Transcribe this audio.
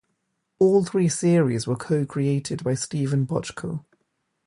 All three series were co-created by Steven Bochco.